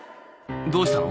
どうしたの？